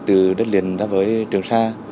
từ đất liền ra với trần sa